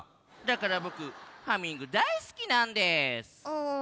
だからぼくハミングだいすきなんです。